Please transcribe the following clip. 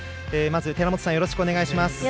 寺本さん、よろしくお願いします。